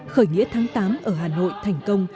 khởi nghĩa tháng tám ở hà nội thành công